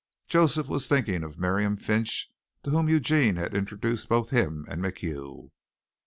Joseph was thinking of Miriam Finch, to whom Eugene had introduced both him and MacHugh.